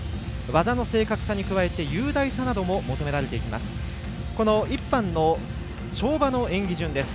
技の正確さに加えて雄大さなども求められていきます。